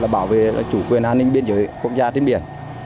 bảo vệ chủ quyền an ninh biên giới quốc gia trên biển